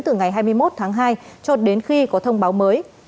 từ ngày hai mươi một tháng hai cho đến khi có thông báo mới